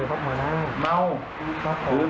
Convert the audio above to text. ต้องขับตัวให้ได้อยู่ในสังคมให้ได้